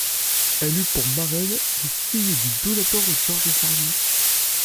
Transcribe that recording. Elle eut pour marraines les filles du donateur Georges Farnier.